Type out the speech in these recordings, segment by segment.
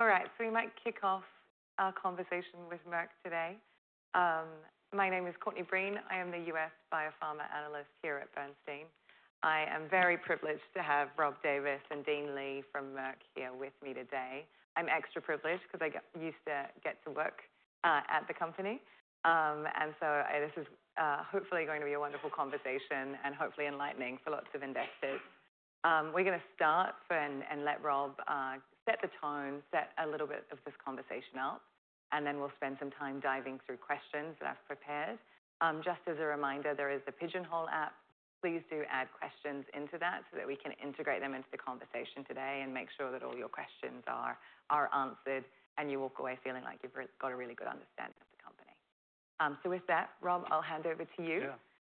All right, so we might kick off our conversation with Merck today. My name is Courtney Breen. I am the U.S. biopharma analyst here at Bernstein. I am very privileged to have Rob Davis and Dean Li from Merck here with me today. I'm extra privileged because I used to get to work at the company. This is hopefully going to be a wonderful conversation and hopefully enlightening for lots of investors. We're going to start and let Rob set the tone, set a little bit of this conversation up, and then we'll spend some time diving through questions that I've prepared. Just as a reminder, there is the Pigeonhole app. Please do add questions into that so that we can integrate them into the conversation today and make sure that all your questions are answered and you walk away feeling like you've got a really good understanding of the company. With that, Rob, I'll hand over to you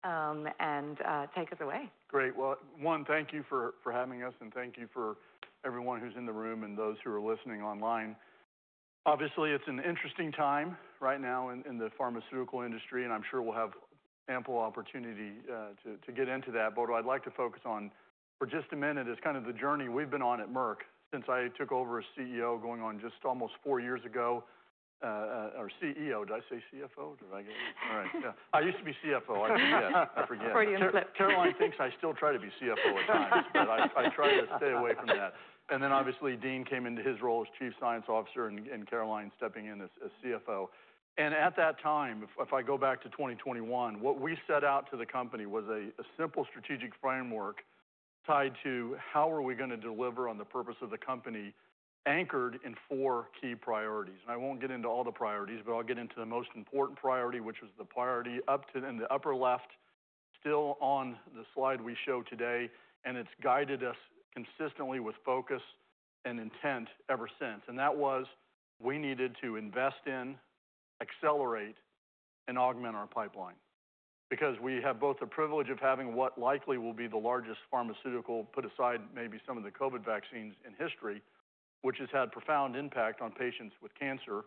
and take us away. Great. One, thank you for having us, and thank you for everyone who's in the room and those who are listening online. Obviously, it's an interesting time right now in the pharmaceutical industry, and I'm sure we'll have ample opportunity to get into that. What I'd like to focus on for just a minute is kind of the journey we've been on at Merck since I took over as CEO going on just almost four years ago. Or CEO, did I say CFO? Did I get it? All right. Yeah, I used to be CFO. I forget. Pretty unfortunate. Caroline thinks I still try to be CFO at times, but I try to stay away from that. Obviously, Dean came into his role as Chief Science Officer and Caroline stepping in as CFO. At that time, if I go back to 2021, what we set out to the company was a simple strategic framework tied to how are we going to deliver on the purpose of the company anchored in four key priorities. I won't get into all the priorities, but I'll get into the most important priority, which was the priority up in the upper left still on the slide we show today, and it's guided us consistently with focus and intent ever since. That was we needed to invest in, accelerate, and augment our pipeline because we have both the privilege of having what likely will be the largest pharmaceutical, put aside maybe some of the COVID vaccines in history, which has had profound impact on patients with cancer,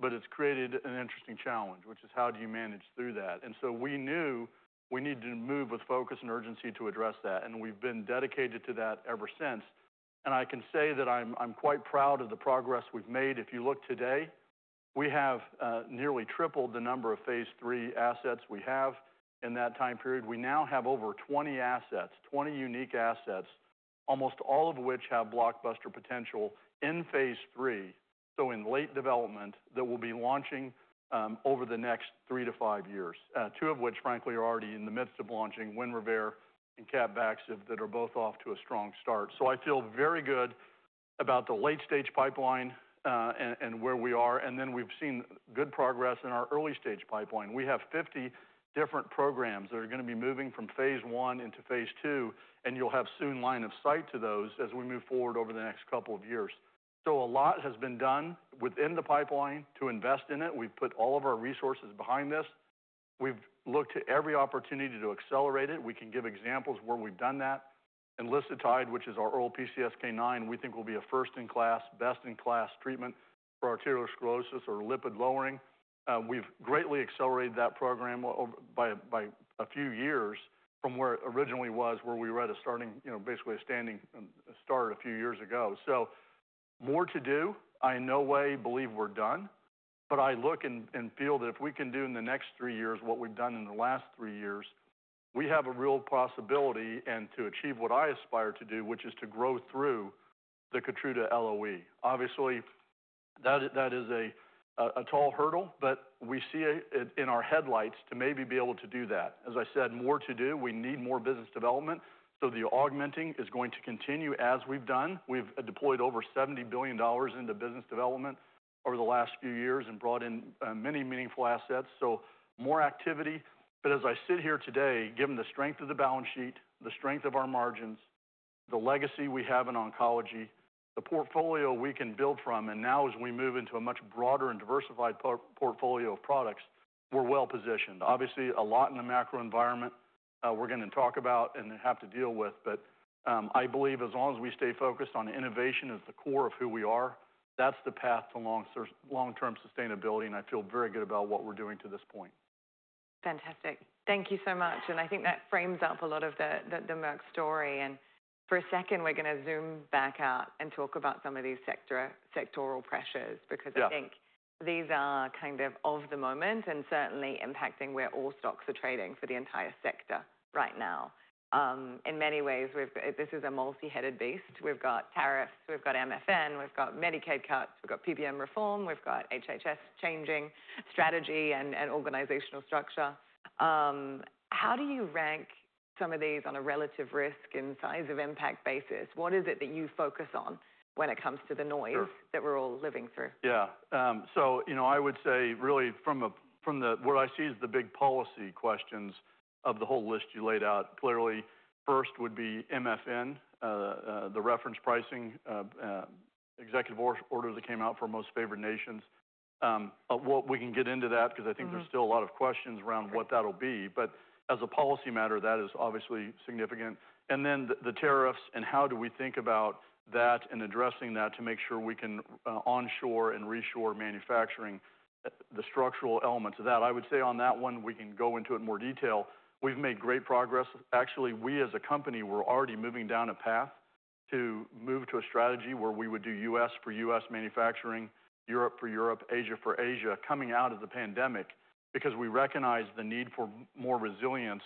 but it's created an interesting challenge, which is how do you manage through that. We knew we needed to move with focus and urgency to address that, and we've been dedicated to that ever since. I can say that I'm quite proud of the progress we've made. If you look today, we have nearly tripled the number of phase III assets we have in that time period. We now have over 20 assets, 20 unique assets, almost all of which have blockbuster potential in phase III, so in late development that we'll be launching over the next three to five years, two of which, frankly, are already in the midst of launching: WINREVAIR and CAPVAXIVE that are both off to a strong start. I feel very good about the late-stage pipeline and where we are. We have seen good progress in our early-stage pipeline. We have 50 different programs that are going to be moving from phase I into phase II, and you'll have soon line of sight to those as we move forward over the next couple of years. A lot has been done within the pipeline to invest in it. We've put all of our resources behind this. We've looked to every opportunity to accelerate it. We can give examples where we've done that. Enlicitide, which is our oral PCSK9, we think will be a first-in-class, best-in-class treatment for arteriosclerosis or lipid lowering. We've greatly accelerated that program by a few years from where it originally was, where we were at a starting, basically a standing start a few years ago. More to do. I in no way believe we're done, but I look and feel that if we can do in the next three years what we've done in the last three years, we have a real possibility to achieve what I aspire to do, which is to grow through the Keytruda LOE. Obviously, that is a tall hurdle, but we see it in our headlights to maybe be able to do that. As I said, more to do. We need more business development. The augmenting is going to continue as we've done. We've deployed over $70 billion into business development over the last few years and brought in many meaningful assets. More activity. As I sit here today, given the strength of the balance sheet, the strength of our margins, the legacy we have in oncology, the portfolio we can build from, and now as we move into a much broader and diversified portfolio of products, we're well positioned. Obviously, a lot in the macro environment we're going to talk about and have to deal with, but I believe as long as we stay focused on innovation as the core of who we are, that's the path to long-term sustainability, and I feel very good about what we're doing to this point. Fantastic. Thank you so much. I think that frames up a lot of the Merck story. For a second, we're going to zoom back out and talk about some of these sectoral pressures because I think these are kind of of the moment and certainly impacting where all stocks are trading for the entire sector right now. In many ways, this is a multi-headed beast. We've got tariffs, we've got MFN, we've got Medicaid cuts, we've got PBM reform, we've got HHS changing strategy and organizational structure. How do you rank some of these on a relative risk and size of impact basis? What is it that you focus on when it comes to the noise that we're all living through? Yeah. I would say really from what I see as the big policy questions of the whole list you laid out, clearly first would be MFN, the reference pricing executive order that came out for most favored nations. We can get into that because I think there are still a lot of questions around what that will be. As a policy matter, that is obviously significant. Then the tariffs and how do we think about that and addressing that to make sure we can onshore and reshore manufacturing, the structural elements of that. I would say on that one, we can go into it in more detail. We have made great progress. Actually, we as a company, we are already moving down a path to move to a strategy where we would do U.S. for U.S. Manufacturing, Europe for Europe, Asia for Asia, coming out of the pandemic because we recognize the need for more resilience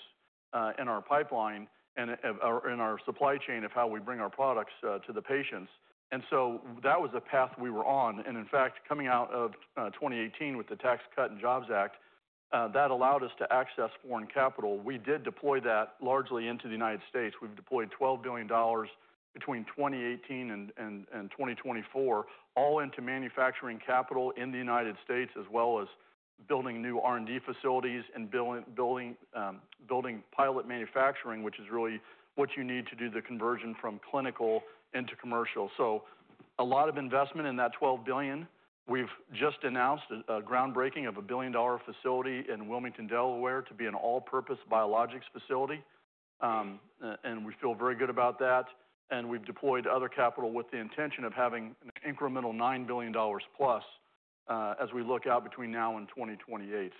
in our pipeline and in our supply chain of how we bring our products to the patients. That was a path we were on. In fact, coming out of 2018 with the Tax Cut and Jobs Act, that allowed us to access foreign capital. We did deploy that largely into the United States. We've deployed $12 billion between 2018 and 2024, all into manufacturing capital in the United States, as well as building new R&D facilities and building pilot manufacturing, which is really what you need to do the conversion from clinical into commercial. A lot of investment in that $12 billion. We've just announced a groundbreaking of a billion-dollar facility in Wilmington, Delaware, to be an all-purpose biologics facility. We feel very good about that. We have deployed other capital with the intention of having an incremental $9 billion plus as we look out between now and 2028.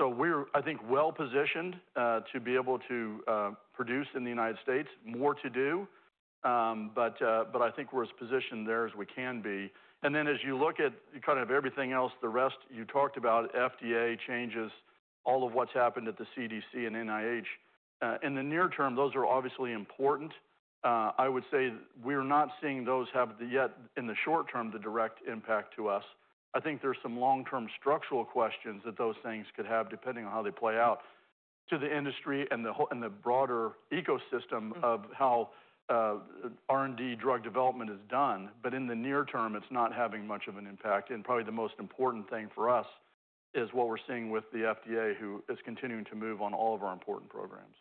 I think we are well positioned to be able to produce in the United States. More to do. I think we are as positioned there as we can be. As you look at kind of everything else, the rest you talked about, FDA changes, all of what has happened at the CDC and NIH in the near term, those are obviously important. I would say we are not seeing those have yet in the short term the direct impact to us. I think there are some long-term structural questions that those things could have depending on how they play out to the industry and the broader ecosystem of how R&D drug development is done. In the near term, it's not having much of an impact. Probably the most important thing for us is what we're seeing with the FDA, who is continuing to move on all of our important programs.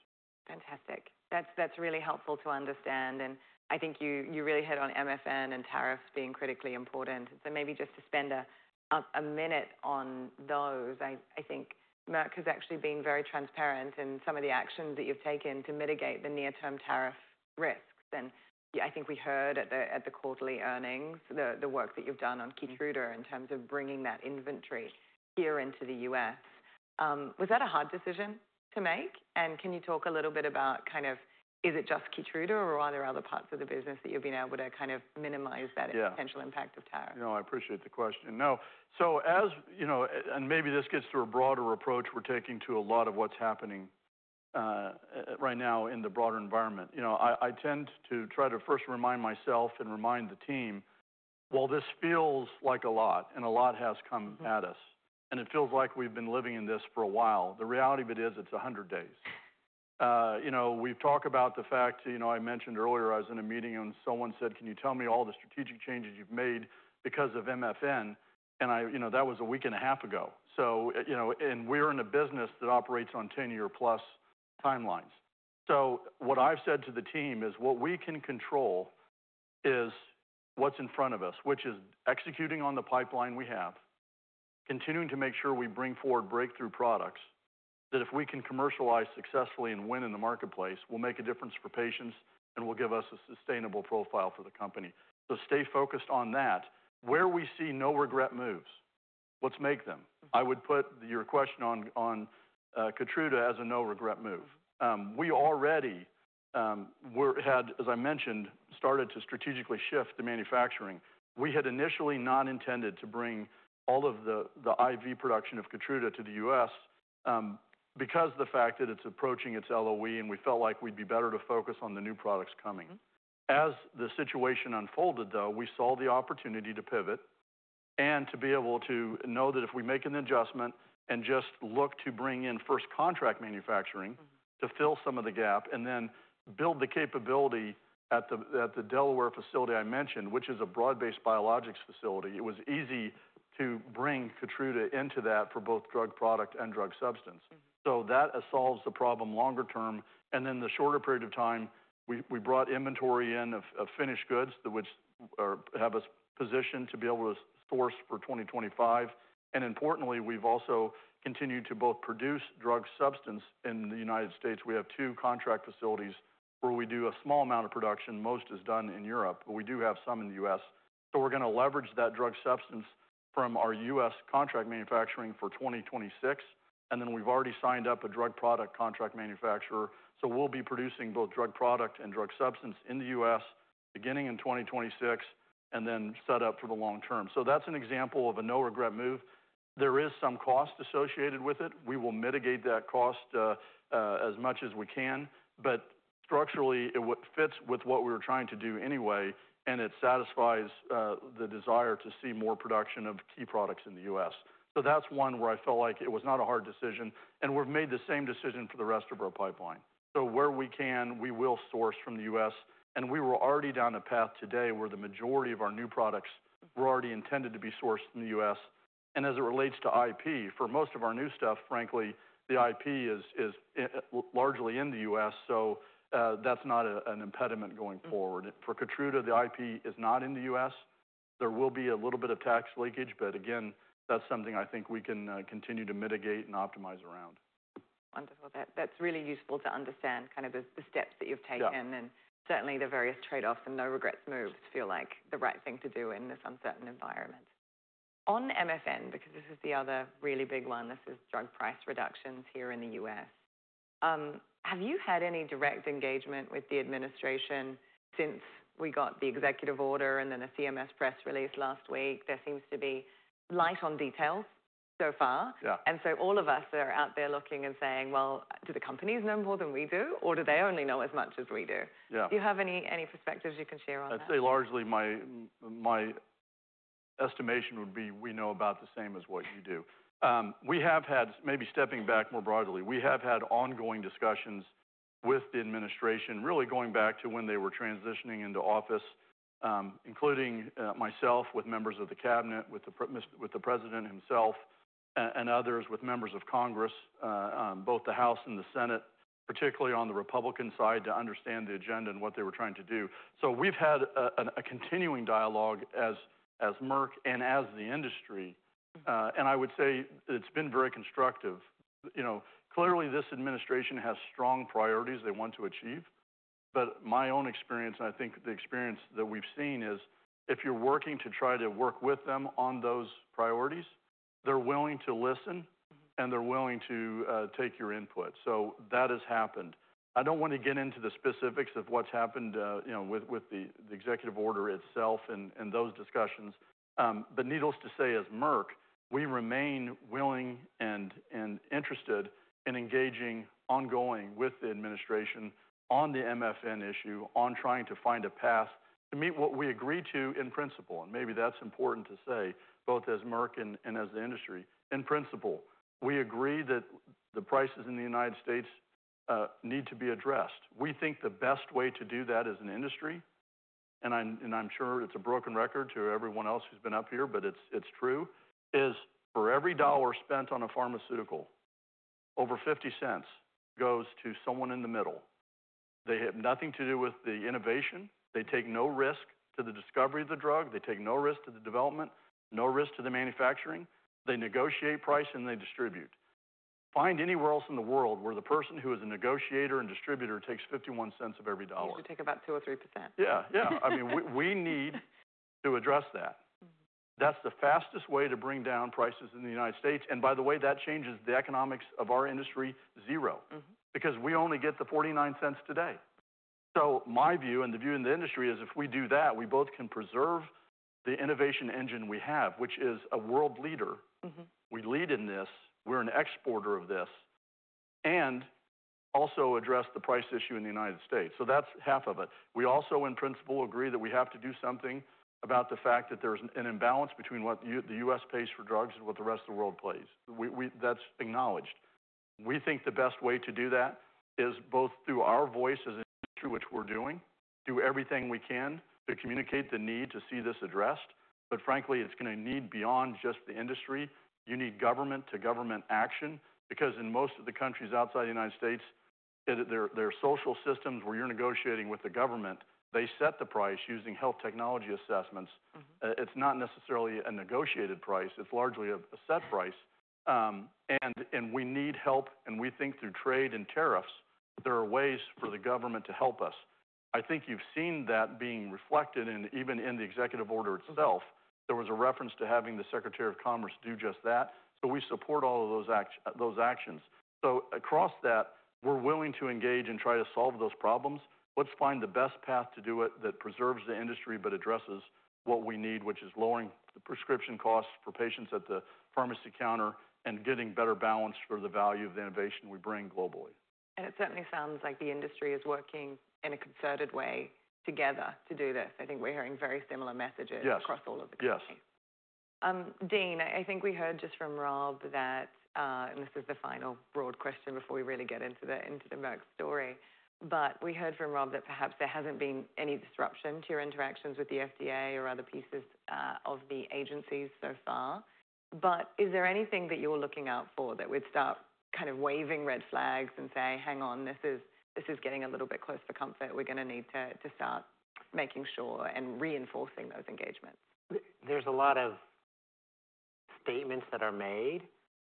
Fantastic. That's really helpful to understand. I think you really hit on MFN and tariffs being critically important. Maybe just to spend a minute on those, I think Merck has actually been very transparent in some of the actions that you've taken to mitigate the near-term tariff risks. I think we heard at the quarterly earnings, the work that you've done on Keytruda in terms of bringing that inventory here into the U.S. Was that a hard decision to make? Can you talk a little bit about kind of is it just Keytruda or are there other parts of the business that you've been able to kind of minimize that potential impact of tariffs? Yeah. No, I appreciate the question. No. As, and maybe this gets to a broader approach we're taking to a lot of what's happening right now in the broader environment, I tend to try to first remind myself and remind the team, you know, this feels like a lot, and a lot has come at us. It feels like we've been living in this for a while. The reality of it is it's 100 days. We've talked about the fact, I mentioned earlier I was in a meeting and someone said, "Can you tell me all the strategic changes you've made because of MFN?" That was a week and a half ago. We're in a business that operates on 10-year plus timelines. What I've said to the team is what we can control is what's in front of us, which is executing on the pipeline we have, continuing to make sure we bring forward breakthrough products that if we can commercialize successfully and win in the marketplace, will make a difference for patients and will give us a sustainable profile for the company. Stay focused on that. Where we see no-regret moves, let's make them. I would put your question on Keytruda as a no-regret move. We already had, as I mentioned, started to strategically shift the manufacturing. We had initially not intended to bring all of the IV production of Keytruda to the U.S. because of the fact that it's approaching its LOE and we felt like we'd be better to focus on the new products coming. As the situation unfolded, though, we saw the opportunity to pivot and to be able to know that if we make an adjustment and just look to bring in first contract manufacturing to fill some of the gap and then build the capability at the Delaware facility I mentioned, which is a broad-based biologics facility, it was easy to bring Keytruda into that for both drug product and drug substance. That solves the problem longer term. In the shorter period of time, we brought inventory in of finished goods which have us positioned to be able to source for 2025. Importantly, we've also continued to both produce drug substance in the United States. We have two contract facilities where we do a small amount of production. Most is done in Europe, but we do have some in the U.S. We're going to leverage that drug substance from our U.S. contract manufacturing for 2026. We've already signed up a drug product contract manufacturer. We'll be producing both drug product and drug substance in the U.S. beginning in 2026 and then set up for the long term. That's an example of a no-regret move. There is some cost associated with it. We will mitigate that cost as much as we can. Structurally, it fits with what we were trying to do anyway, and it satisfies the desire to see more production of key products in the U.S. That's one where I felt like it was not a hard decision. We've made the same decision for the rest of our pipeline. Where we can, we will source from the U.S. We were already down a path today where the majority of our new products were already intended to be sourced in the U.S. As it relates to IP, for most of our new stuff, frankly, the IP is largely in the U.S. That is not an impediment going forward. For Keytruda, the IP is not in the U.S. There will be a little bit of tax leakage, but again, that is something I think we can continue to mitigate and optimize around. Wonderful. That's really useful to understand kind of the steps that you've taken and certainly the various trade-offs and no-regrets moves feel like the right thing to do in this uncertain environment. On MFN, because this is the other really big one, this is drug price reductions here in the U.S. Have you had any direct engagement with the administration since we got the executive order and then the CMS press release last week? There seems to be light on details so far. All of us are out there looking and saying, well, do the companies know more than we do, or do they only know as much as we do? Do you have any perspectives you can share on that? I'd say largely my estimation would be we know about the same as what you do. We have had, maybe stepping back more broadly, we have had ongoing discussions with the administration, really going back to when they were transitioning into office, including myself with members of the cabinet, with the president himself, and others with members of Congress, both the House and the Senate, particularly on the Republican side to understand the agenda and what they were trying to do. We have had a continuing dialogue as Merck and as the industry. I would say it's been very constructive. Clearly, this administration has strong priorities they want to achieve. My own experience, and I think the experience that we've seen, is if you're working to try to work with them on those priorities, they're willing to listen and they're willing to take your input. That has happened. I don't want to get into the specifics of what's happened with the executive order itself and those discussions. Needless to say, as Merck, we remain willing and interested in engaging ongoing with the administration on the MFN issue, on trying to find a path to meet what we agreed to in principle. Maybe that's important to say, both as Merck and as the industry. In principle, we agree that the prices in the United States need to be addressed. We think the best way to do that as an industry, and I'm sure it's a broken record to everyone else who's been up here, but it's true, is for every dollar spent on a pharmaceutical, over $0.50 goes to someone in the middle. They have nothing to do with the innovation. They take no risk to the discovery of the drug. They take no risk to the development, no risk to the manufacturing. They negotiate price and they distribute. Find anywhere else in the world where the person who is a negotiator and distributor takes $0.51 of every dollar. You take about 2% or 3%. Yeah. Yeah. I mean, we need to address that. That's the fastest way to bring down prices in the United States. By the way, that changes the economics of our industry zero because we only get the 49 cents today. My view and the view in the industry is if we do that, we both can preserve the innovation engine we have, which is a world leader. We lead in this. We're an exporter of this and also address the price issue in the United States. That's half of it. We also in principle agree that we have to do something about the fact that there's an imbalance between what the U.S. pays for drugs and what the rest of the world pays. That's acknowledged. We think the best way to do that is both through our voice as an industry, which we're doing, do everything we can to communicate the need to see this addressed. Frankly, it's going to need beyond just the industry. You need government-to-government action because in most of the countries outside the United States, there are social systems where you're negotiating with the government. They set the price using health technology assessments. It's not necessarily a negotiated price. It's largely a set price. We need help. We think through trade and tariffs, there are ways for the government to help us. I think you've seen that being reflected even in the executive order itself. There was a reference to having the Secretary of Commerce do just that. We support all of those actions. Across that, we're willing to engage and try to solve those problems. Let's find the best path to do it that preserves the industry but addresses what we need, which is lowering the prescription costs for patients at the pharmacy counter and getting better balance for the value of the innovation we bring globally. It certainly sounds like the industry is working in a concerted way together to do this. I think we're hearing very similar messages across all of the countries. Yes. Yes. Dean, I think we heard just from Rob that, and this is the final broad question before we really get into the Merck story. We heard from Rob that perhaps there hasn't been any disruption to your interactions with the FDA or other pieces of the agencies so far. Is there anything that you're looking out for that would start kind of waving red flags and say, "Hang on, this is getting a little bit close for comfort. We're going to need to start making sure and reinforcing those engagements"? There's a lot of statements that are made,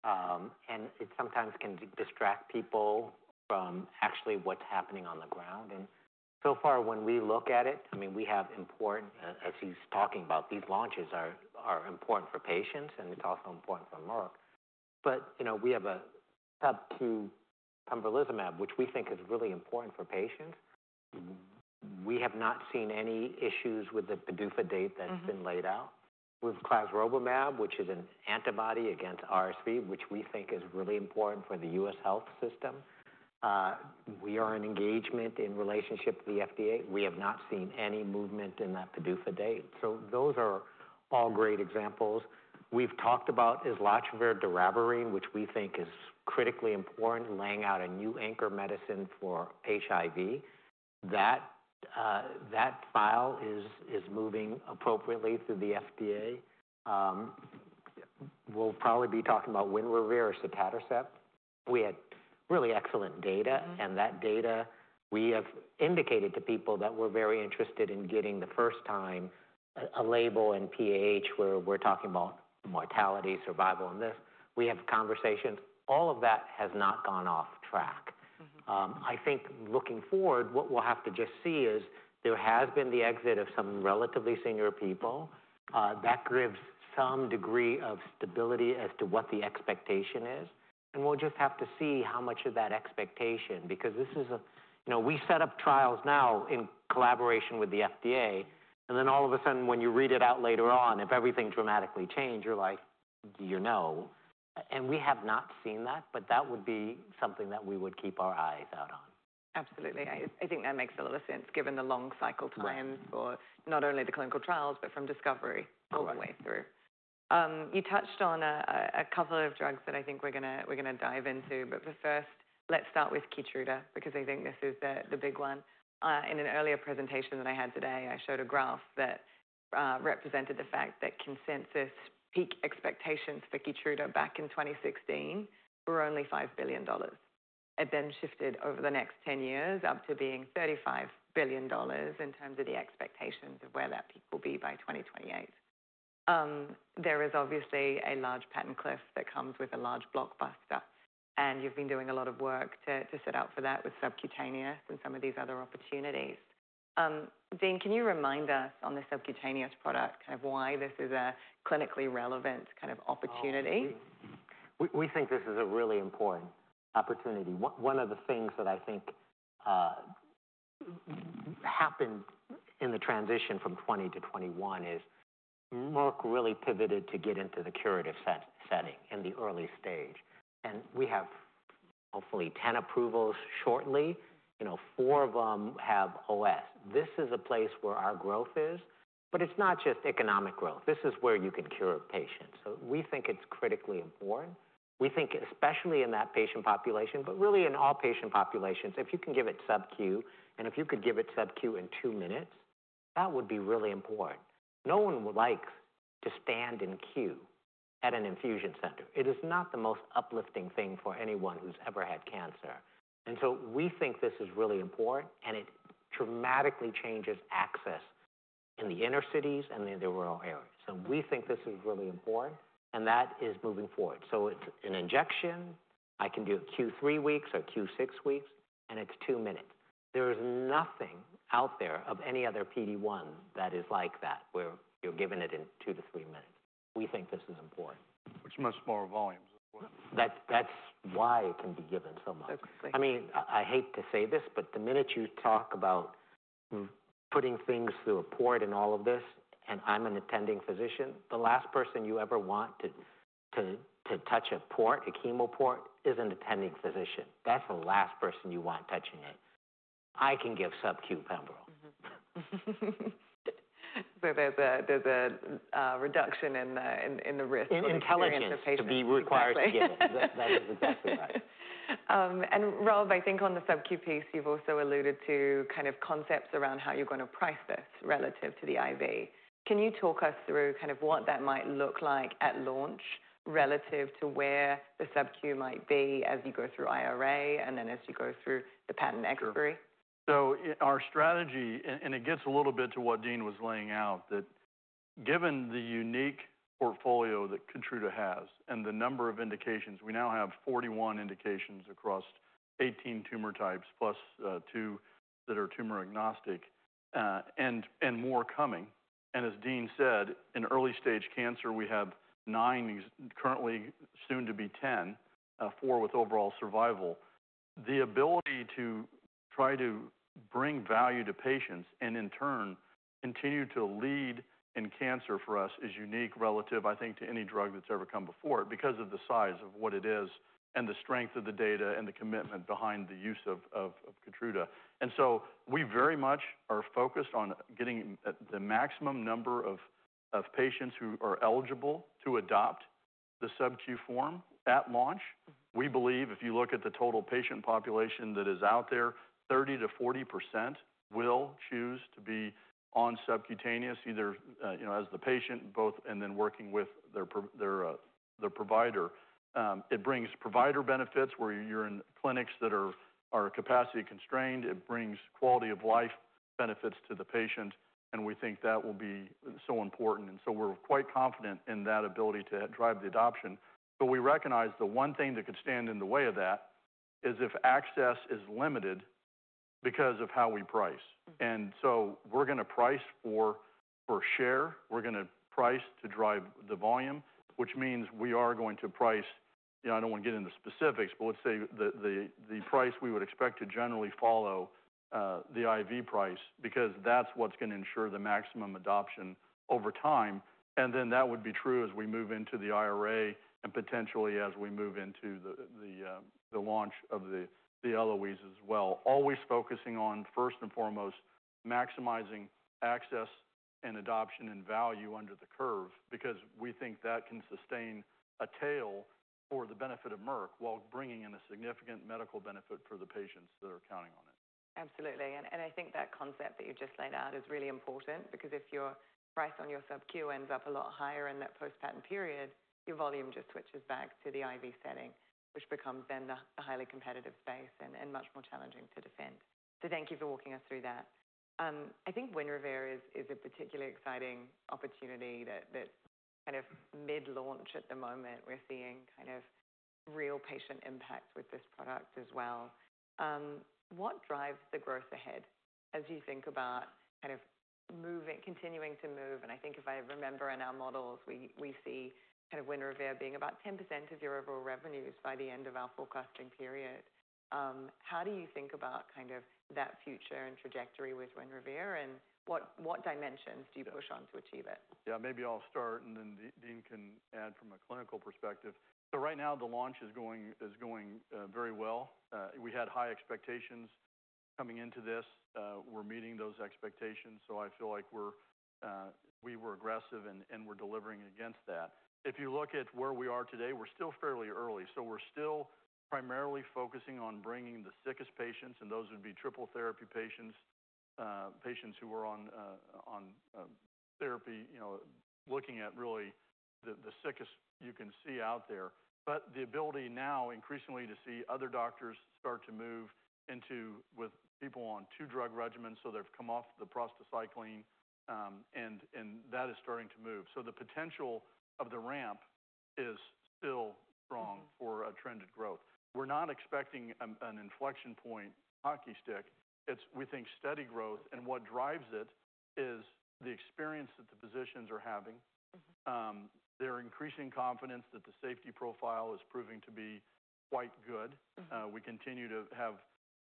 and it sometimes can distract people from actually what's happening on the ground. So far, when we look at it, I mean, we have important, as he's talking about, these launches are important for patients, and it's also important for Merck. We have a subQ pembrolizumab, which we think is really important for patients. We have not seen any issues with the PDUFA date that's been laid out. We have clesrovimab, which is an antibody against RSV, which we think is really important for the U.S. health system. We are in engagement in relationship with the FDA. We have not seen any movement in that PDUFA date. Those are all great examples. We've talked about Islatravir Doravirine, which we think is critically important, laying out a new anchor medicine for HIV. That file is moving appropriately through the FDA. We'll probably be talking about WINREVAIR or Sotatercept. We had really excellent data. And that data, we have indicated to people that we're very interested in getting the first time a label in PAH where we're talking about mortality, survival in this. We have conversations. All of that has not gone off track. I think looking forward, what we'll have to just see is there has been the exit of some relatively senior people. That gives some degree of stability as to what the expectation is. And we'll just have to see how much of that expectation, because this is a, we set up trials now in collaboration with the FDA. All of a sudden, when you read it out later on, if everything dramatically changed, you're like, "You know." We have not seen that, but that would be something that we would keep our eyes out on. Absolutely. I think that makes a lot of sense given the long cycle time for not only the clinical trials, but from discovery all the way through. You touched on a couple of drugs that I think we're going to dive into. For first, let's start with Keytruda because I think this is the big one. In an earlier presentation that I had today, I showed a graph that represented the fact that consensus peak expectations for Keytruda back in 2016 were only $5 billion. It then shifted over the next 10 years up to being $35 billion in terms of the expectations of where that peak will be by 2028. There is obviously a large patent cliff that comes with a large blockbuster. You have been doing a lot of work to set out for that with subcutaneous and some of these other opportunities. Dean, can you remind us on the subcutaneous product, kind of why this is a clinically relevant kind of opportunity? We think this is a really important opportunity. One of the things that I think happened in the transition from 2020 to 2021 is Merck really pivoted to get into the curative setting in the early stage. We have hopefully 10 approvals shortly. Four of them have OS. This is a place where our growth is. It is not just economic growth. This is where you can cure patients. We think it is critically important. We think especially in that patient population, but really in all patient populations, if you can give it subQ and if you could give it subQ in two minutes, that would be really important. No one likes to stand in queue at an infusion center. It is not the most uplifting thing for anyone who has ever had cancer. We think this is really important. It dramatically changes access in the inner cities and in the rural areas. We think this is really important. That is moving forward. It's an injection. I can do it Q3 weeks or Q6 weeks. It's two minutes. There is nothing out there of any other PD-1 that is like that where you're giving it in two to three minutes. We think this is important. Which must mean more volumes. That's why it can be given so much. I mean, I hate to say this, but the minute you talk about putting things through a port and all of this, and I'm an attending physician, the last person you ever want to touch a port, a chemo port, is an attending physician. That's the last person you want touching it. I can give subQ pembrolizumab. There's a reduction in the risk of patients to be required to give it. That is exactly right. Rob, I think on the subQ piece, you've also alluded to kind of concepts around how you're going to price this relative to the IV. Can you talk us through kind of what that might look like at launch relative to where the subQ might be as you go through IRA and then as you go through the patent expiry? Our strategy, and it gets a little bit to what Dean was laying out, that given the unique portfolio that Keytruda has and the number of indications, we now have 41 indications across 18 tumor types plus two that are tumor agnostic and more coming. As Dean said, in early stage cancer, we have nine, currently soon to be 10, four with overall survival. The ability to try to bring value to patients and in turn continue to lead in cancer for us is unique relative, I think, to any drug that's ever come before it because of the size of what it is and the strength of the data and the commitment behind the use of Keytruda. We very much are focused on getting the maximum number of patients who are eligible to adopt the subQ form at launch. We believe if you look at the total patient population that is out there, 30-40% will choose to be on subcutaneous either as the patient and then working with their provider. It brings provider benefits where you're in clinics that are capacity constrained. It brings quality of life benefits to the patient. We think that will be so important. We are quite confident in that ability to drive the adoption. We recognize the one thing that could stand in the way of that is if access is limited because of how we price. We are going to price for share. We're going to price to drive the volume, which means we are going to price, I don't want to get into specifics, but let's say the price we would expect to generally follow the IV price because that's what's going to ensure the maximum adoption over time. That would be true as we move into the IRA and potentially as we move into the launch of the LOEs as well. Always focusing on first and foremost maximizing access and adoption and value under the curve because we think that can sustain a tail for the benefit of Merck while bringing in a significant medical benefit for the patients that are counting on it. Absolutely. I think that concept that you've just laid out is really important because if your price on your subQ ends up a lot higher in that post-patent period, your volume just switches back to the IV setting, which becomes then a highly competitive space and much more challenging to defend. Thank you for walking us through that. I think WINREVAIR is a particularly exciting opportunity that's kind of mid-launch at the moment. We're seeing kind of real patient impact with this product as well. What drives the growth ahead as you think about kind of moving, continuing to move? I think if I remember in our models, we see kind of WINREVAIR being about 10% of your overall revenues by the end of our forecasting period. How do you think about kind of that future and trajectory with WINREVAIR? What dimensions do you push on to achieve it? Yeah, maybe I'll start and then Dean can add from a clinical perspective. Right now, the launch is going very well. We had high expectations coming into this. We're meeting those expectations. I feel like we were aggressive and we're delivering against that. If you look at where we are today, we're still fairly early. We're still primarily focusing on bringing the sickest patients. Those would be triple therapy patients, patients who are on therapy, looking at really the sickest you can see out there. The ability now increasingly to see other doctors start to move into with people on two drug regimens. They've come off the prostacycline. That is starting to move. The potential of the ramp is still strong for a trend of growth. We're not expecting an inflection point, hockey stick. We think steady growth. What drives it is the experience that the physicians are having. They're increasing confidence that the safety profile is proving to be quite good. We continue to have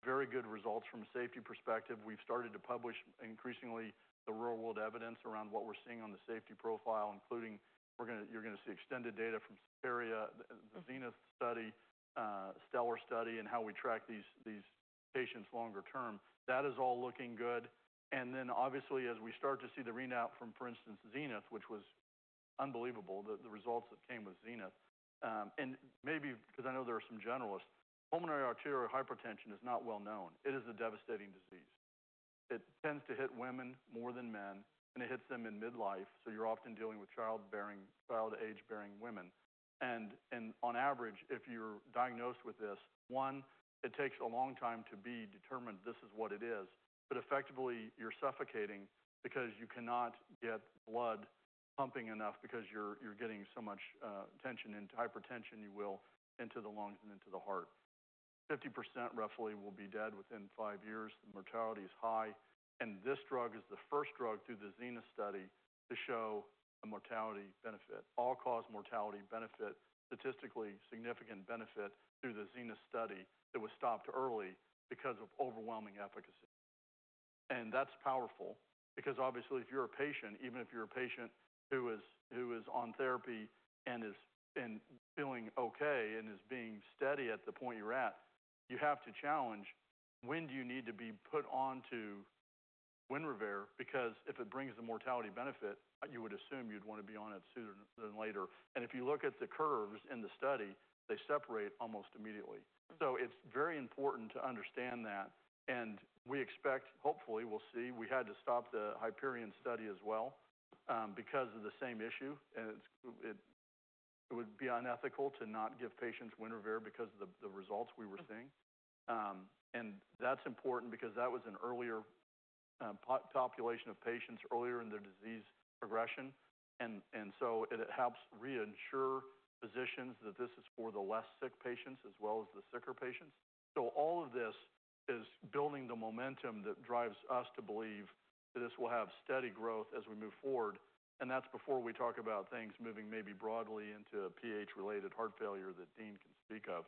very good results from a safety perspective. We've started to publish increasingly the real-world evidence around what we're seeing on the safety profile, including you're going to see extended data from HYPERION, the ZENITH study, STELLAR study, and how we track these patients longer term. That is all looking good. Obviously, as we start to see the readout from, for instance, ZENITH, which was unbelievable, the results that came with ZENITH. Maybe because I know there are some generalists, pulmonary arterial hypertension is not well known. It is a devastating disease. It tends to hit women more than men. It hits them in midlife. You're often dealing with child-bearing, child-age-bearing women. If you're diagnosed with this, one, it takes a long time to be determined this is what it is. Effectively, you're suffocating because you cannot get blood pumping enough because you're getting so much tension into hypertension, you will, into the lungs and into the heart. 50% roughly will be dead within five years. The mortality is high. This drug is the first drug through the ZENITH study to show a mortality benefit, all-cause mortality benefit, statistically significant benefit through the ZENITH study that was stopped early because of overwhelming efficacy. That's powerful because obviously, if you're a patient, even if you're a patient who is on therapy and is feeling okay and is being steady at the point you're at, you have to challenge when do you need to be put onto WINREVAIR because if it brings the mortality benefit, you would assume you'd want to be on it sooner than later. If you look at the curves in the study, they separate almost immediately. It is very important to understand that. We expect, hopefully, we'll see. We had to stop the HYPERION study as well because of the same issue. It would be unethical to not give patients WINREVAIR because of the results we were seeing. That's important because that was an earlier population of patients earlier in their disease progression. It helps reinsure physicians that this is for the less sick patients as well as the sicker patients. All of this is building the momentum that drives us to believe that this will have steady growth as we move forward. That is before we talk about things moving maybe broadly into PAH-related heart failure that Dean can speak of.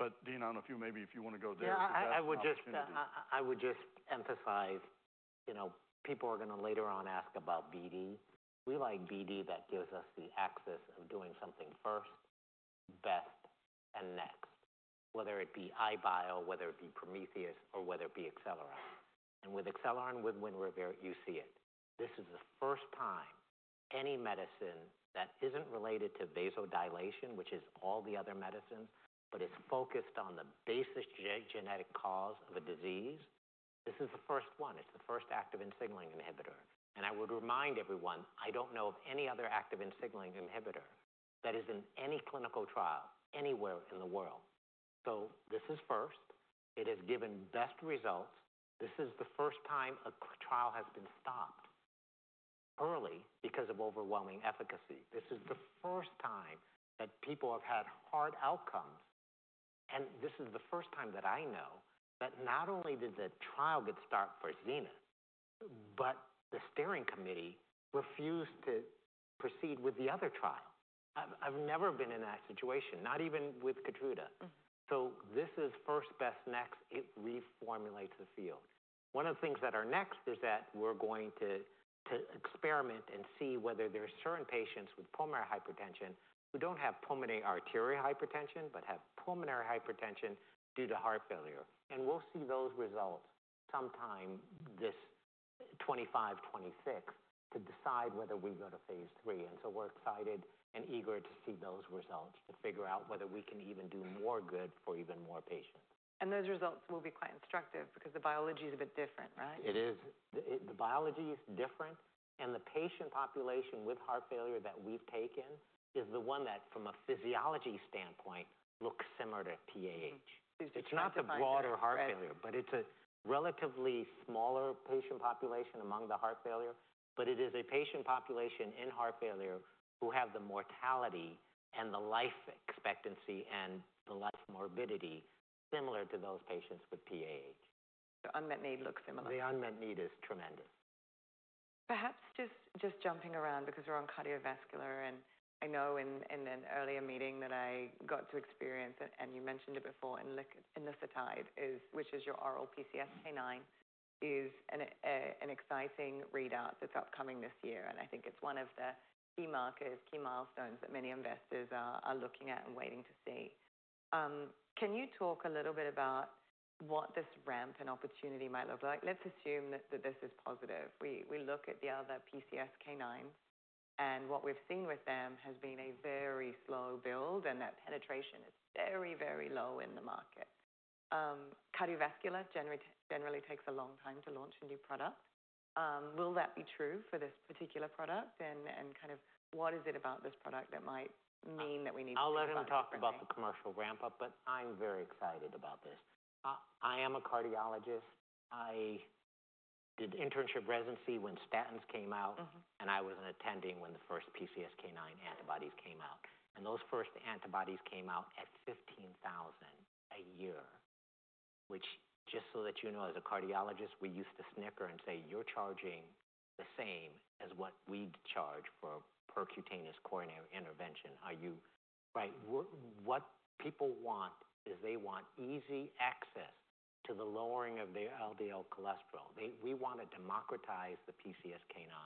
Dean, I do not know if you maybe if you want to go there. Yeah, I would just emphasize, people are going to later on ask about BD. We like BD that gives us the access of doing something first, best, and next, whether it be EyeBio, whether it be Prometheus, or whether it be Acceleron. With Acceleron, with WINREVAIR, you see it. This is the first time any medicine that isn't related to vasodilation, which is all the other medicines, but is focused on the basic genetic cause of a disease, this is the first one. It's the first activin signaling inhibitor. I would remind everyone, I don't know of any other activin signaling inhibitor that is in any clinical trial anywhere in the world. This is first. It has given best results. This is the first time a trial has been stopped early because of overwhelming efficacy. This is the first time that people have had hard outcomes. This is the first time that I know that not only did the trial get stopped for ZENITH, but the steering committee refused to proceed with the other trial. I've never been in that situation, not even with Keytruda. This is first, best, next. It reformulates the field. One of the things that are next is that we're going to experiment and see whether there are certain patients with pulmonary hypertension who don't have pulmonary arterial hypertension but have pulmonary hypertension due to heart failure. We'll see those results sometime this 2025, 2026 to decide whether we go to phase three. We're excited and eager to see those results to figure out whether we can even do more good for even more patients. Those results will be quite instructive because the biology is a bit different, right? It is. The biology is different. The patient population with heart failure that we've taken is the one that from a physiology standpoint looks similar to PAH. It is not the broader heart failure, but it is a relatively smaller patient population among the heart failure. It is a patient population in heart failure who have the mortality and the life expectancy and the life morbidity similar to those patients with PAH. Unmet need looks similar. The unmet need is tremendous. Perhaps just jumping around because we're on cardiovascular. I know in an earlier meeting that I got to experience, and you mentioned it before, enlicitide, which is your oral PCSK9, is an exciting readout that's upcoming this year. I think it's one of the key markers, key milestones that many investors are looking at and waiting to see. Can you talk a little bit about what this ramp and opportunity might look like? Let's assume that this is positive. We look at the other PCSK9s. What we've seen with them has been a very slow build. That penetration is very, very low in the market. Cardiovascular generally takes a long time to launch a new product. Will that be true for this particular product? Kind of what is it about this product that might mean that we need to do something different? I'll let him talk about the commercial ramp up. I am very excited about this. I am a cardiologist. I did internship residency when statins came out. I was an attending when the first PCSK9 antibodies came out. Those first antibodies came out at $15,000 a year, which just so that you know, as a cardiologist, we used to snicker and say, "You're charging the same as what we'd charge for percutaneous coronary intervention." Right? What people want is they want easy access to the lowering of their LDL cholesterol. We want to democratize the PCSK9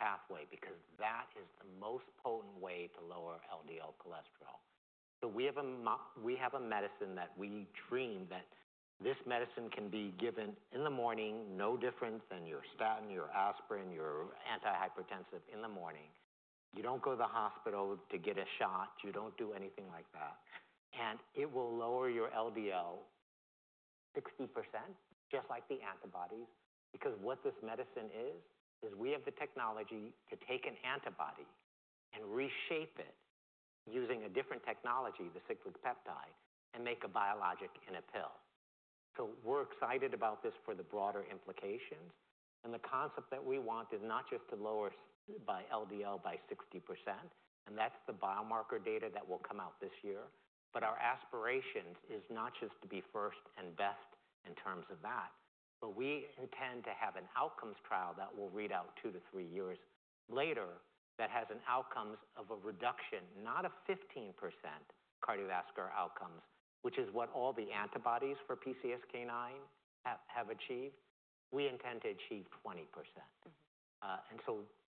pathway because that is the most potent way to lower LDL cholesterol. We have a medicine that we dream that this medicine can be given in the morning, no different than your statin, your Aspirin, your antihypertensive in the morning. You don't go to the hospital to get a shot. You don't do anything like that. It will lower your LDL 60%, just like the antibodies. Because what this medicine is, is we have the technology to take an antibody and reshape it using a different technology, the cyclic peptide, and make a biologic in a pill. We are excited about this for the broader implications. The concept that we want is not just to lower LDL by 60%. That is the biomarker data that will come out this year. Our aspiration is not just to be first and best in terms of that. We intend to have an outcomes trial that will read out two to three years later that has an outcome of a reduction, not a 15% cardiovascular outcomes, which is what all the antibodies for PCSK9 have achieved. We intend to achieve 20%.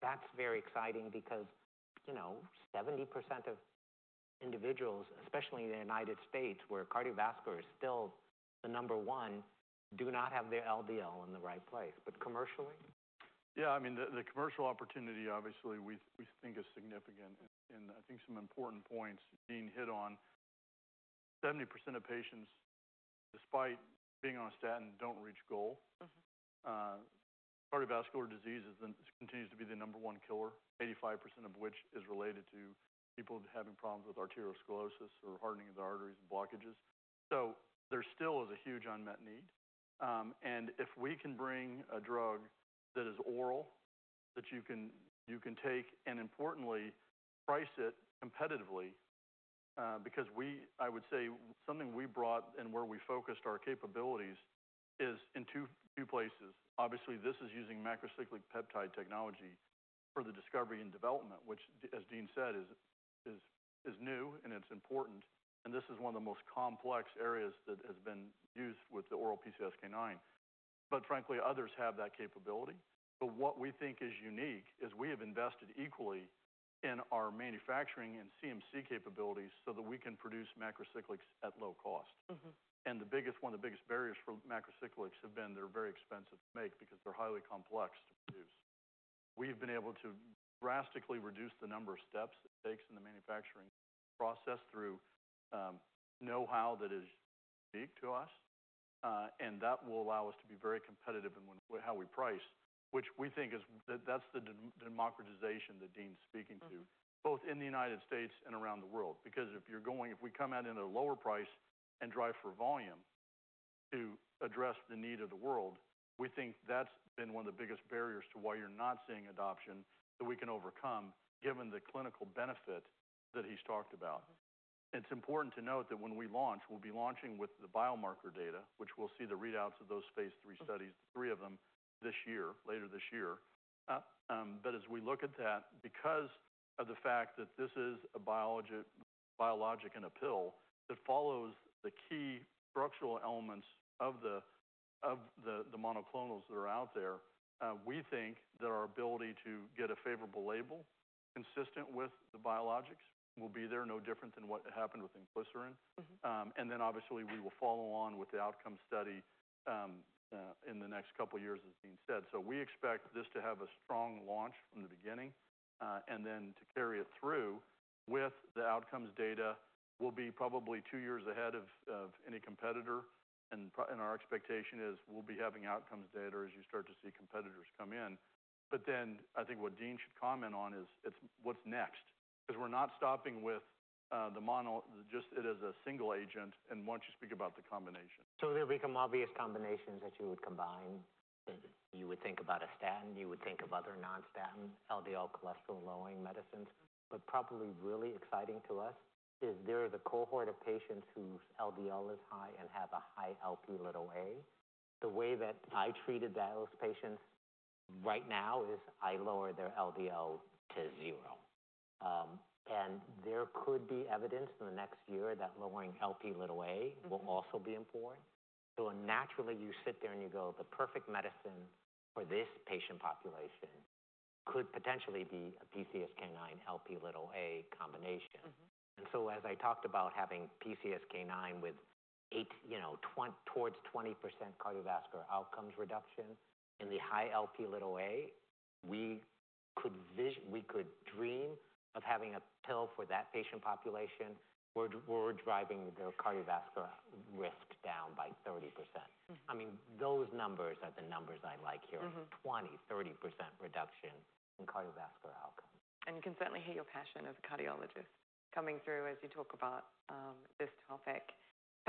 That's very exciting because 70% of individuals, especially in the United States where cardiovascular is still the number one, do not have their LDL in the right place. But commercially? Yeah. I mean, the commercial opportunity obviously we think is significant. I think some important points Dean hit on. 70% of patients, despite being on a statin, don't reach goal. Cardiovascular disease continues to be the number one killer, 85% of which is related to people having problems with arteriosclerosis or hardening of the arteries and blockages. There still is a huge unmet need. If we can bring a drug that is oral that you can take and, importantly, price it competitively because I would say something we brought and where we focused our capabilities is in two places. Obviously, this is using macrocyclic peptide technology for the discovery and development, which, as Dean said, is new and it's important. This is one of the most complex areas that has been used with the oral PCSK9. Frankly, others have that capability. What we think is unique is we have invested equally in our manufacturing and CMC capabilities so that we can produce macrocyclic at low cost. One of the biggest barriers for macrocyclic have been they're very expensive to make because they're highly complex to produce. We've been able to drastically reduce the number of steps it takes in the manufacturing process through know-how that is unique to us. That will allow us to be very competitive in how we price, which we think is that's the democratization that Dean's speaking to, both in the United States and around the world. If we come out in a lower price and drive for volume to address the need of the world, we think that's been one of the biggest barriers to why you're not seeing adoption that we can overcome given the clinical benefit that he's talked about. It's important to note that when we launch, we'll be launching with the biomarker data, which we'll see the readouts of those phase three studies, three of them later this year. As we look at that, because of the fact that this is a biologic in a pill that follows the key structural elements of the monoclonals that are out there, we think that our ability to get a favorable label consistent with the biologics will be there no different than what happened with Inclisirin. Obviously, we will follow on with the outcome study in the next couple of years, as Dean said. We expect this to have a strong launch from the beginning and to carry it through with the outcomes data. We'll be probably two years ahead of any competitor. Our expectation is we'll be having outcomes data as you start to see competitors come in. I think what Dean should comment on is what's next because we're not stopping with the mono just as a single agent and want you to speak about the combination. There become obvious combinations that you would combine. You would think about a statin. You would think of other non-statin LDL cholesterol-lowering medicines. Probably really exciting to us is there is a cohort of patients whose LDL is high and have a high Lp(a). The way that I treated those patients right now is I lower their LDL to zero. There could be evidence in the next year that lowering Lp(a) will also be important. Naturally, you sit there and you go, "The perfect medicine for this patient population could potentially be a PCSK9 Lp(a) combination." As I talked about having PCSK9 with towards 20% cardiovascular outcomes reduction in the high Lp(a), we could dream of having a pill for that patient population where we're driving their cardiovascular risk down by 30%. I mean, those numbers are the numbers I like here. 20%-30% reduction in cardiovascular outcomes. You can certainly hear your passion as a cardiologist coming through as you talk about this topic.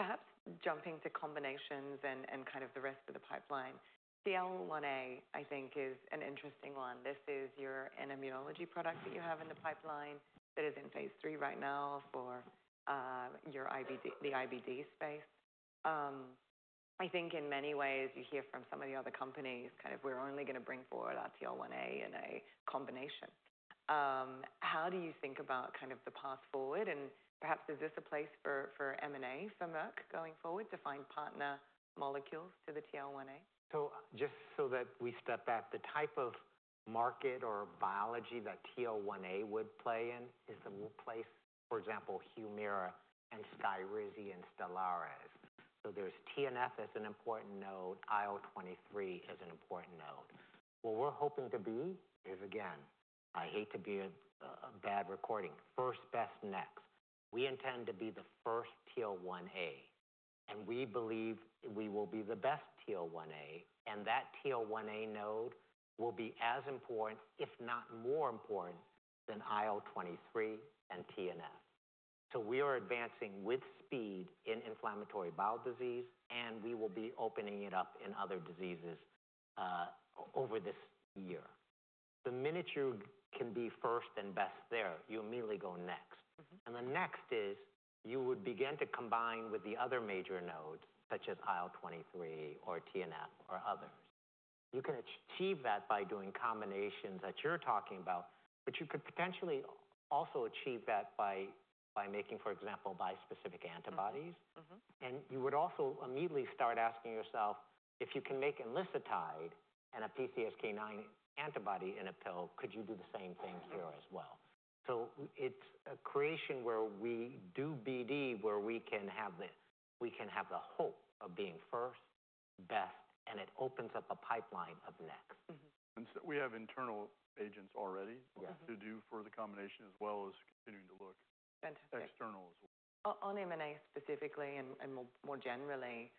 Perhaps jumping to combinations and kind of the rest of the pipeline. TL1A, I think, is an interesting one. This is an immunology product that you have in the pipeline that is in phase three right now for the IBD space. I think in many ways you hear from some of the other companies kind of, "We're only going to bring forward our TL1A in a combination." How do you think about kind of the path forward? Perhaps is this a place for M&A for Merck going forward to find partner molecules to the TL1A? Just so that we step back, the type of market or biology that TL1A would play in is the place, for example, HUMIRA and SKYRIZI and STELARA. There is TNF as an important node. IL-23 is an important node. What we're hoping to be is, again, I hate to be a bad recording, first, best, next. We intend to be the first TL1A. And we believe we will be the best TL1A. That TL1A node will be as important, if not more important than IL-23 and TNF. We are advancing with speed in inflammatory bowel disease. We will be opening it up in other diseases over this year. The minute you can be first and best there, you immediately go next. The next is you would begin to combine with the other major nodes, such as IL-23 or TNF or others. You can achieve that by doing combinations that you're talking about. You could potentially also achieve that by making, for example, bispecific antibodies. You would also immediately start asking yourself, "If you can make enlicitide and a PCSK9 antibody in a pill, could you do the same thing here as well?" It is a creation where we do BD, where we can have the hope of being first, best, and it opens up a pipeline of next. We have internal agents already to do for the combination as well as continuing to look external as well. On M&A specifically and more generally,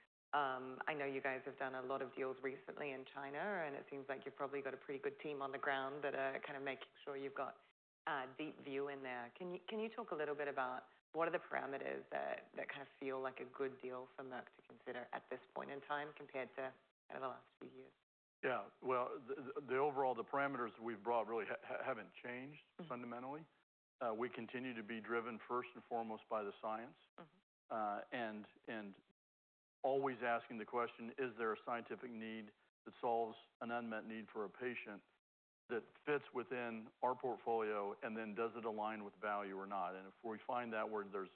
I know you guys have done a lot of deals recently in China. It seems like you've probably got a pretty good team on the ground that are kind of making sure you've got a deep view in there. Can you talk a little bit about what are the parameters that kind of feel like a good deal for Merck to consider at this point in time compared to kind of the last few years? Yeah. The overall, the parameters that we've brought really haven't changed fundamentally. We continue to be driven first and foremost by the science and always asking the question, "Is there a scientific need that solves an unmet need for a patient that fits within our portfolio? And then does it align with value or not?" If we find that where there's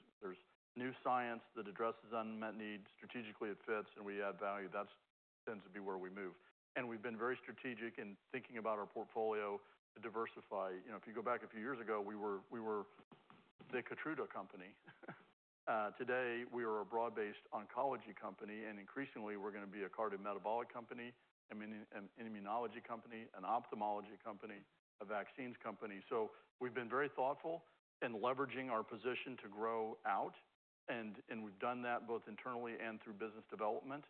new science that addresses unmet needs, strategically it fits, and we add value, that tends to be where we move. We have been very strategic in thinking about our portfolio to diversify. If you go back a few years ago, we were the Keytruda company. Today, we are a broad-based oncology company. Increasingly, we're going to be a cardiometabolic company, an immunology company, an ophthalmology company, a vaccines company. We have been very thoughtful in leveraging our position to grow out. We have done that both internally and through business development.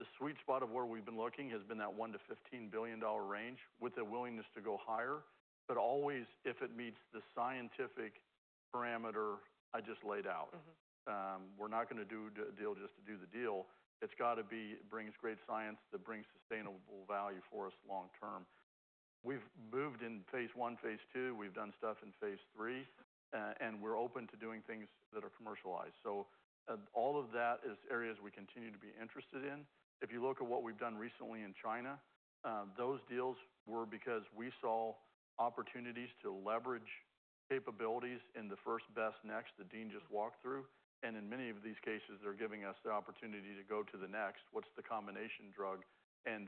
The sweet spot of where we have been looking has been that $1 billion-$15 billion range with a willingness to go higher. However, if it meets the scientific parameter I just laid out, we are not going to do a deal just to do the deal. It has to bring great science that brings sustainable value for us long term. We have moved in phase I, phase II. We have done stuff in phase III. We are open to doing things that are commercialized. All of that is areas we continue to be interested in. If you look at what we have done recently in China, those deals were because we saw opportunities to leverage capabilities in the first, best, next that Dean just walked through. In many of these cases, they're giving us the opportunity to go to the next, what's the combination drug.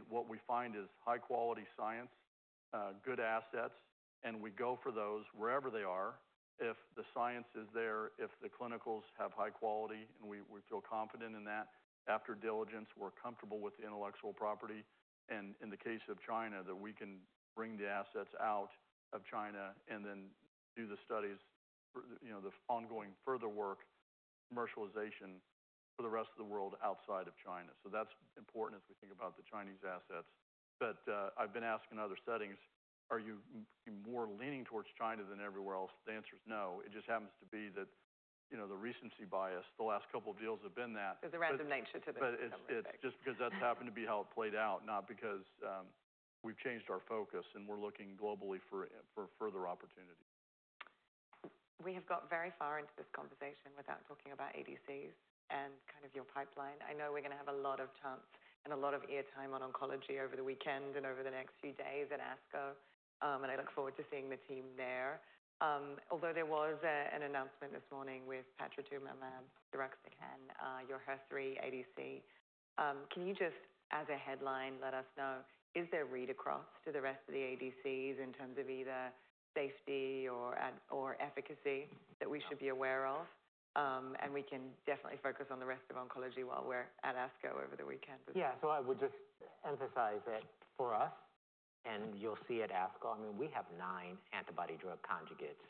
What we find is high-quality science, good assets. We go for those wherever they are. If the science is there, if the clinicals have high quality, and we feel confident in that, after diligence, we're comfortable with the intellectual property. In the case of China, that we can bring the assets out of China and then do the studies, the ongoing further work, commercialization for the rest of the world outside of China. That is important as we think about the Chinese assets. I've been asked in other settings, "Are you more leaning towards China than everywhere else?" The answer is no. It just happens to be that the recency bias, the last couple of deals have been that. There's a resonation to the. It is just because that has happened to be how it played out, not because we have changed our focus. We are looking globally for further opportunities. We have got very far into this conversation without talking about ADCs and kind of your pipeline. I know we're going to have a lot of chunks and a lot of airtime on oncology over the weekend and over the next few days at ASCO. I look forward to seeing the team there. Although there was an announcement this morning with Patritumab deruxtecan, your HER3 ADC, can you just, as a headline, let us know, is there read across to the rest of the ADCs in terms of either safety or efficacy that we should be aware of? We can definitely focus on the rest of oncology while we're at ASCO over the weekend. Yeah. I would just emphasize that for us, and you'll see at ASCO, I mean, we have nine antibody-drug conjugates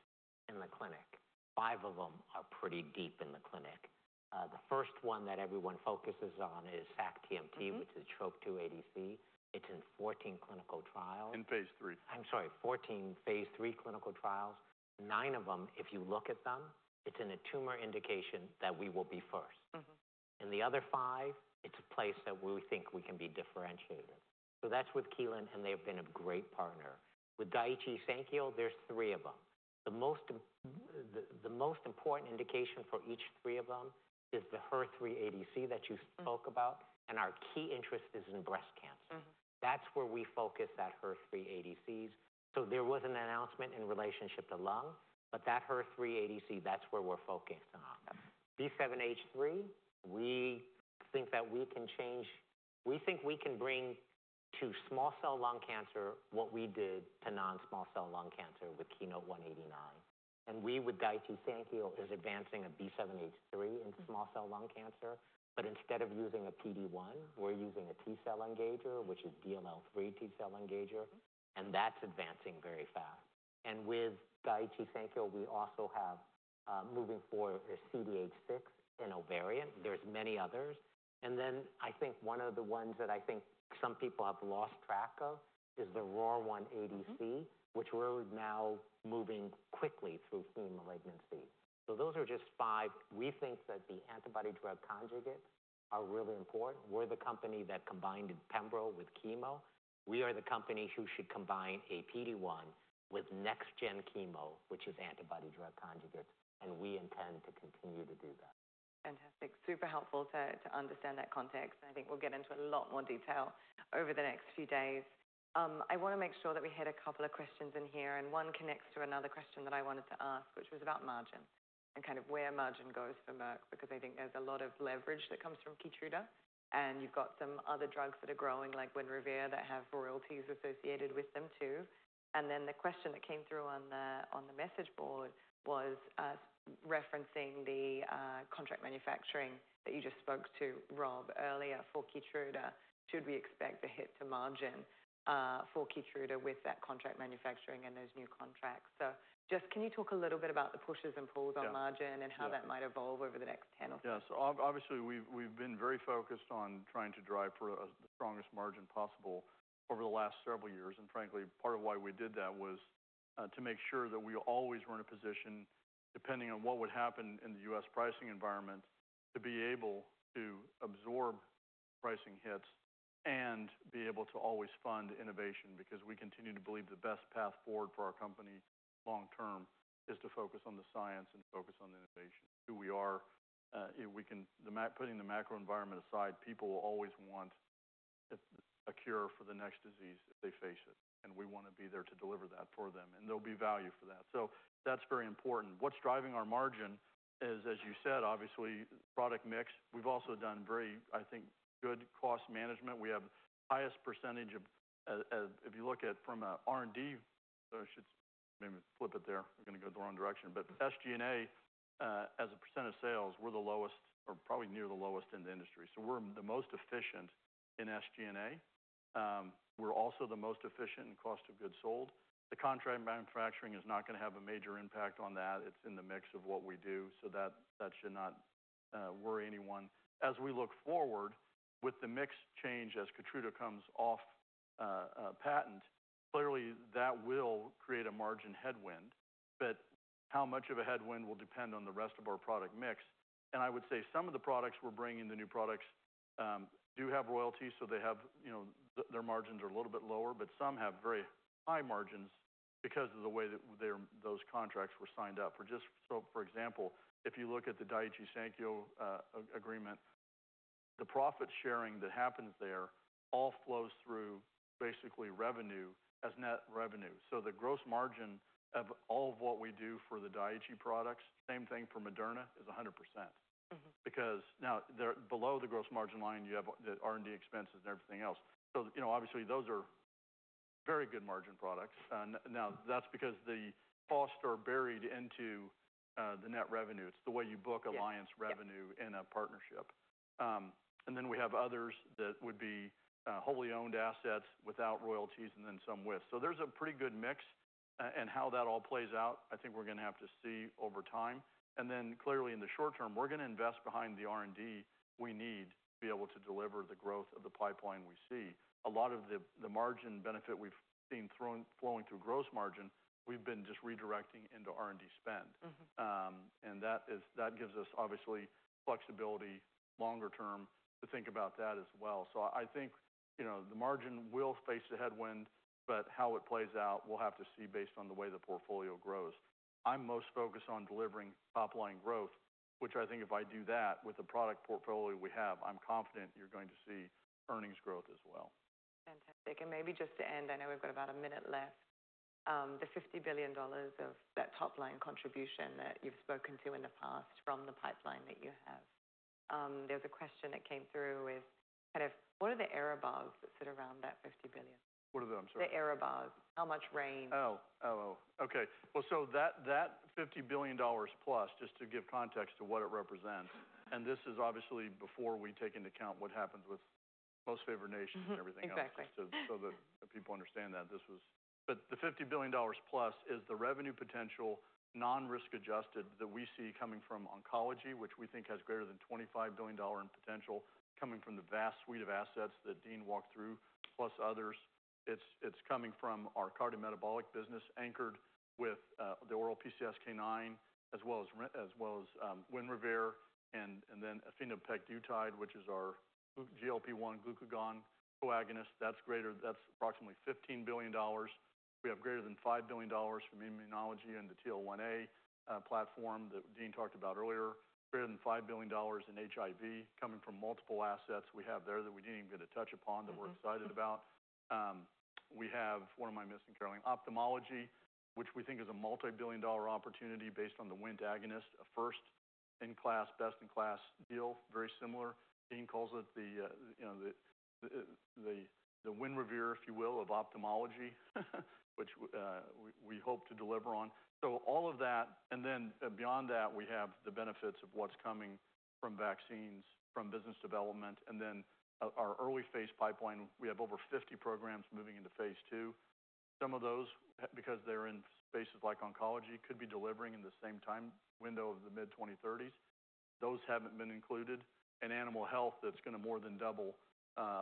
in the clinic. Five of them are pretty deep in the clinic. The first one that everyone focuses on is sac‑TMT, which is the TROP2 ADC. It's in 14 clinical trials. In phase three. I'm sorry, 14 phase three clinical trials. Nine of them, if you look at them, it's in a tumor indication that we will be first. The other five, it's a place that we think we can be differentiated. That's with Keytruda, and they've been a great partner. With Daiichi Sankyo, there's three of them. The most important indication for each three of them is the HER3 ADC that you spoke about. Our key interest is in breast cancer. That's where we focus at HER3 ADCs. There was an announcement in relationship to lung, but that HER3 ADC, that's where we're focused on. B7H3, we think that we can change. We think we can bring to small cell lung cancer what we did to non-small cell lung cancer with KEYNOTE-189. We with Daiichi Sankyo is advancing a B7H3 in small cell lung cancer. Instead of using a PD-1, we're using a T-cell engager, which is DLL3 T-cell engager. That's advancing very fast. With Daiichi Sankyo, we also have moving forward CDH6 in ovarian. There's many others. I think one of the ones that I think some people have lost track of is the RAW-1 ADC, which we're now moving quickly through heme malignancy. Those are just five. We think that the antibody drug conjugates are really important. We're the company that combined pembrol with chemo. We are the company who should combine a PD-1 with next-gen chemo, which is antibody drug conjugates. We intend to continue to do that. Fantastic. Super helpful to understand that context. I think we'll get into a lot more detail over the next few days. I want to make sure that we hit a couple of questions in here. One connects to another question that I wanted to ask, which was about margin and kind of where margin goes for Merck because I think there's a lot of leverage that comes from Keytruda. You've got some other drugs that are growing like WINREVAIR that have royalties associated with them too. The question that came through on the message board was referencing the contract manufacturing that you just spoke to, Rob, earlier for Keytruda. Should we expect a hit to margin for Keytruda with that contract manufacturing and those new contracts? Can you talk a little bit about the pushes and pulls on margin and how that might evolve over the next 10 or so? Yeah. Obviously, we've been very focused on trying to drive for the strongest margin possible over the last several years. Frankly, part of why we did that was to make sure that we always were in a position, depending on what would happen in the U.S. pricing environment, to be able to absorb pricing hits and be able to always fund innovation because we continue to believe the best path forward for our company long term is to focus on the science and focus on innovation. Who we are, putting the macro environment aside, people will always want a cure for the next disease if they face it. We want to be there to deliver that for them. There'll be value for that. That's very important. What's driving our margin is, as you said, obviously, product mix. We've also done very, I think, good cost management. We have the highest percentage of, if you look at from an R&D, I should maybe flip it there. We're going to go the wrong direction. SG&A as a percent of sales, we're the lowest or probably near the lowest in the industry. We are the most efficient in SG&A. We are also the most efficient in cost of goods sold. The contract manufacturing is not going to have a major impact on that. It's in the mix of what we do. That should not worry anyone. As we look forward with the mix change as Keytruda comes off patent, clearly that will create a margin headwind. How much of a headwind will depend on the rest of our product mix. I would say some of the products we're bringing, the new products, do have royalties. They have their margins are a little bit lower. But some have very high margins because of the way that those contracts were signed up. For just so, for example, if you look at the Daiichi Sankyo agreement, the profit sharing that happens there all flows through basically revenue as net revenue. So the gross margin of all of what we do for the Daiichi products, same thing for Moderna, is 100%. Because now below the gross margin line, you have the R&D expenses and everything else. So obviously, those are very good margin products. Now, that's because the costs are buried into the net revenue. It's the way you book alliance revenue in a partnership. And then we have others that would be wholly owned assets without royalties and then some with. So there's a pretty good mix. How that all plays out, I think we're going to have to see over time. Clearly, in the short term, we're going to invest behind the R&D we need to be able to deliver the growth of the pipeline we see. A lot of the margin benefit we've seen flowing through gross margin, we've been just redirecting into R&D spend. That gives us obviously flexibility longer term to think about that as well. I think the margin will face a headwind. How it plays out, we'll have to see based on the way the portfolio grows. I'm most focused on delivering top-line growth, which I think if I do that with the product portfolio we have, I'm confident you're going to see earnings growth as well. Fantastic. Maybe just to end, I know we've got about a minute left, the $50 billion of that top-line contribution that you've spoken to in the past from the pipeline that you have. There's a question that came through with kind of what are the error bars that sit around that $50 billion? What are the, I'm sorry? The error bars. How much rain? Oh, okay. That $50 billion plus, just to give context to what it represents, and this is obviously before we take into account what happens with most favored nations and everything else. Exactly. That people understand that this was, but the $50 billion plus is the revenue potential non-risk adjusted that we see coming from oncology, which we think has greater than $25 billion in potential coming from the vast suite of assets that Dean walked through plus others. It is coming from our cardiometabolic business anchored with the oral PCSK9 as well as WINREVAIR and then efinopegdutide, which is our GLP-1 glucagon co-agonist. That is approximately $15 billion. We have greater than $5 billion from immunology and the TL1A platform that Dean talked about earlier, greater than $5 billion in HIV coming from multiple assets we have there that we did not even get to touch upon that we are excited about. We have, what am I missing Caroline, ophthalmology, which we think is a multi-billion dollar opportunity based on the WINREVAIR agonist, a first-in-class, best-in-class deal, very similar. Dean calls it the WINREVAIR, if you will, of ophthalmology, which we hope to deliver on. All of that. Beyond that, we have the benefits of what's coming from vaccines, from business development. Our early phase pipeline, we have over 50 programs moving into phase II. Some of those, because they're in spaces like oncology, could be delivering in the same time window of the mid-2030s. Those haven't been included. Animal health, that's going to more than double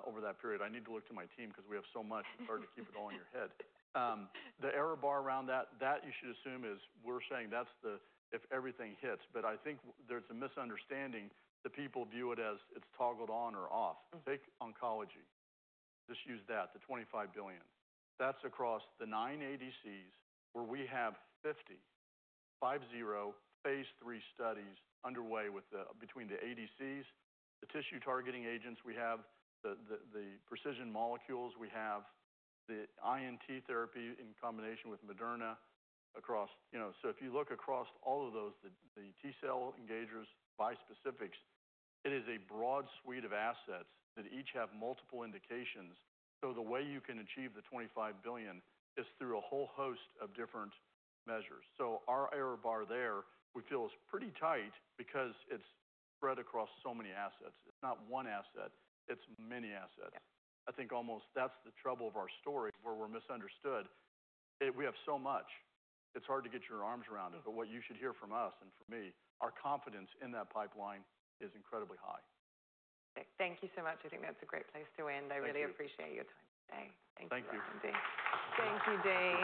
over that period. I need to look to my team because we have so much. It's hard to keep it all in your head. The error bar around that, that you should assume is we're saying that's the if everything hits. I think there's a misunderstanding. People view it as it's toggled on or off. Take oncology. Just use that, the $25 billion. That's across the nine ADCs where we have 50, five-zero phase III studies underway between the ADCs, the tissue targeting agents we have, the precision molecules we have, the INT therapy in combination with Moderna across. If you look across all of those, the T-cell engagers, bispecifics, it is a broad suite of assets that each have multiple indications. The way you can achieve the $25 billion is through a whole host of different measures. Our error bar there, we feel is pretty tight because it's spread across so many assets. It's not one asset. It's many assets. I think almost that's the trouble of our story where we're misunderstood. We have so much. It's hard to get your arms around it. What you should hear from us and from me, our confidence in that pipeline is incredibly high. Perfect. Thank you so much. I think that's a great place to end. I really appreciate your time today. Thank you, R&D. Thank you. Thank you, Dean.